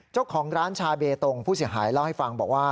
เจ้าของร้านชาเบตงผู้เสียหายเล่าให้ฟังบอกว่า